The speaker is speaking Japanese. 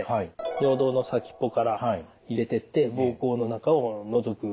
尿道の先っぽから入れてって膀胱の中をのぞく検査です。